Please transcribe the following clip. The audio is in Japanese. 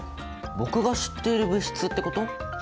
僕が知っている物質ってこと？